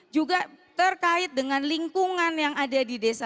juga terkait dengan lingkungan yang ada di desa